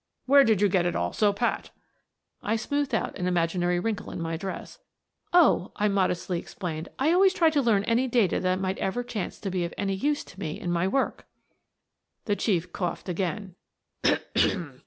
" Where did you get it all so pat? " I smoothed out an imaginary wrinkle in my dress. "Oh," I modestly explained, "I always try to learn any data that may ever chance to be of any use to me in my work." The Chief coughed again.